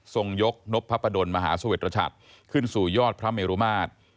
ทรงยกนบพระประดนมหาศวรรษชัตริย์ขึ้นสู่ยอดพระเมรุมาตร